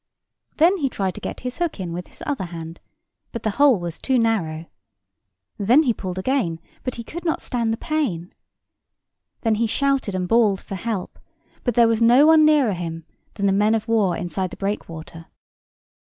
Then he tried to get his hook in with his other hand; but the hole was too narrow. Then he pulled again; but he could not stand the pain. Then he shouted and bawled for help: but there was no one nearer him than the men of war inside the breakwater.